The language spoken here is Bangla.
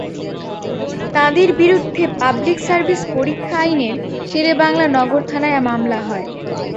তাঁদের বিরুদ্ধে পাবলিক সার্ভিস পরীক্ষা আইনে শেরেবাংলা নগর থানায় মামলা হয়।